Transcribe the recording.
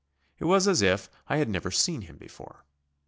It was as if I had never seen him before.